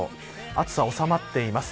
暑さ、おさまっています。